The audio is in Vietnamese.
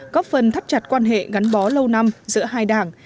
góp phần thắt chặt quan hệ gắn bó lâu năm giữa hai đảng